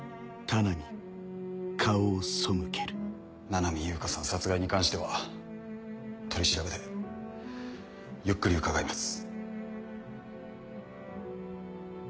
七海悠香さん殺害に関しては取り調べでゆっくり伺います。